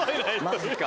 マジか。